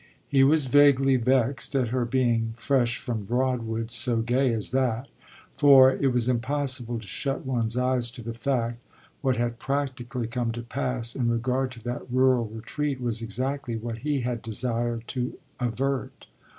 He was vaguely vexed at her being, fresh from Broadwood, so gay as that; for it was impossible to shut one's eyes to the fact what had practically come to pass in regard to that rural retreat was exactly what he had desired to avert.